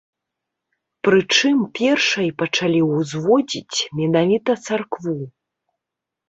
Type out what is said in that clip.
Прычым, першай пачалі ўзводзіць менавіта царкву.